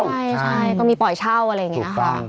ใช่ก็มีปล่อยเช่าอะไรอย่างนี้ค่ะ